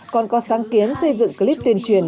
còn có sáng kiến xây dựng clip tuyên truyền